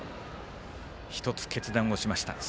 １つ、決断をしました。